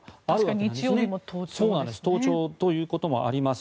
日曜日に登庁ということもあります。